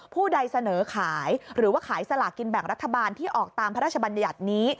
ผู้ใดเสนอขายหรือว่าขายสลากินแบ่งรัฐบาลที่ออกตามพระราชบัญญัตินี้